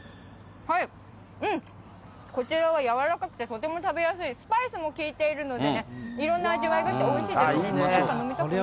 こちらはやわらかくてとても食べやすい、スパイスも効いているのでね、いろんな味わいがして、おいしいでいいね。